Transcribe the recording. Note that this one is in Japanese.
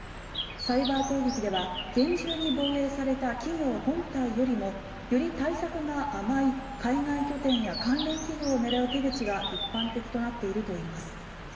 サイバー攻撃では厳重に防衛された企業本体よりもより対策が甘い海外拠点や関連企業を狙う手口が一般的になっているといいます。